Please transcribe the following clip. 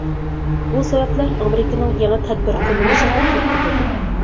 بۇ سەۋەبلەر ئامېرىكىنىڭ يېڭى تەدبىر قوللىنىشىغا تۈرتكە بولدى.